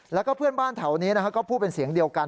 แล้วก็เพื่อนบ้านแถวนี้ก็พูดเป็นเสียงเดียวกัน